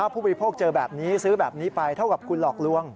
ผู้บริโภคเจอแบบนี้ซื้อแบบนี้ไปเท่ากับคุณหลอกลวง